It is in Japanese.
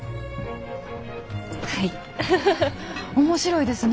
面白いですね。